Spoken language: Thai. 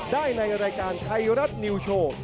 ได้ในรายการไทยรัฐนิวโชว์